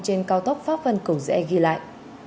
trên cao tốc pháp văn cầu rẽ ghi lại